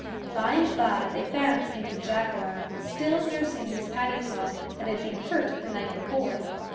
By and by they found Painted Jaguar, still nursing his paddy paw that had been hurt the night before.